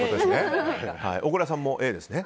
小倉さんもＡですね。